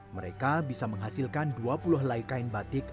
mereka bisa menghasilkan dua puluh helai kain batik